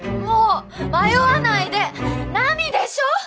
もう迷わないで奈未でしょ！